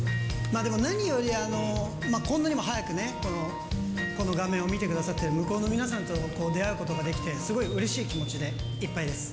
でも何より、こんなにも早くね、この画面を見てくださっている向こうの皆さんと出会うことができて、すごいうれしい気持ちでいっぱいです。